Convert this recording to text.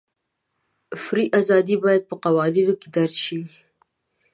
فري ازادۍ باید په قوانینو کې درج شي.